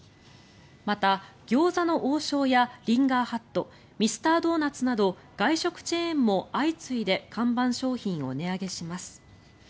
また、餃子の王将やリンガーハットミスタードーナツなど外食チェーンも相次いで看板商品を値上げします。